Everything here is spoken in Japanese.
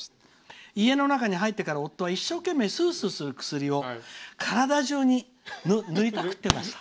家の中に入ってから夫は一生懸命スースーする薬を体中に塗りたくってました」。